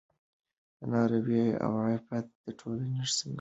درناوی او عفت د ټولنې سینګار دی.